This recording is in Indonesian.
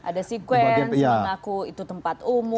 ada sekuens mengaku itu tempat umum